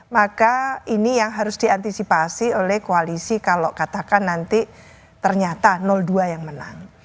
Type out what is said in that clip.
maka ini yang harus diantisipasi oleh koalisi kalau katakan nanti ternyata dua yang menang